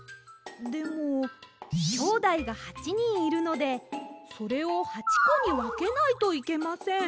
でもきょうだいが８にんいるのでそれを８こにわけないといけません。